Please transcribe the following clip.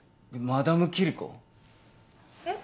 「マダムキリコ」えっ？